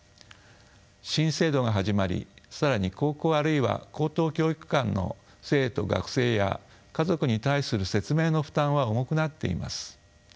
新制度が始まり更に高校あるいは高等教育機関の生徒学生や家族に対する説明の負担は重くなっています。